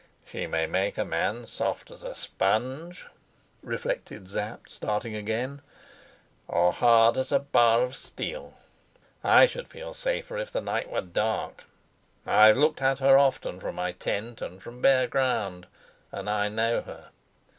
"She may make a man soft as a sponge," reflected Sapt, starting again, "or hard as a bar of steel. I should feel safer if the night were dark. I've looked at her often from my tent and from bare ground, and I know her.